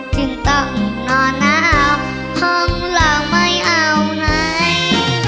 จึงต้องนอนน้ำห้องเราไม่เอาไหน